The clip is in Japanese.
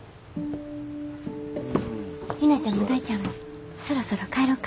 陽菜ちゃんも大ちゃんもそろそろ帰ろか。